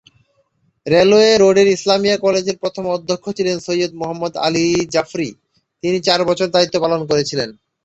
Railway রোডের ইসলামিয়া কলেজের প্রথম অধ্যক্ষ ছিলেন সৈয়দ মোহাম্মদ আলী জাফরি, তিনি চার বছর দায়িত্ব পালন করেছিলেন।